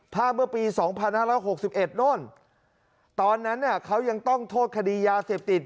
ภาพเมื่อปี๒๕๖๑โน่นตอนนั้นเนี่ยเขายังต้องโทษคดียาเสพติด